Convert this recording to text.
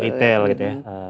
retail gitu ya